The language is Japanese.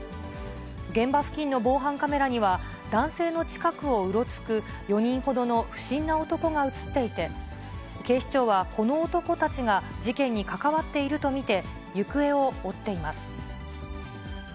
現場付近の防犯カメラには、男性の近くをうろつく４人ほどの不審な男が写っていて、警視庁はこの男たちが事件に関わっていると見て、行方を追っています。